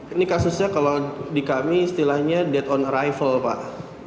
ini kasusnya kalau di kami istilahnya dead on arrival pak